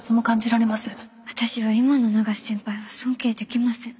私は今の永瀬先輩は尊敬できません。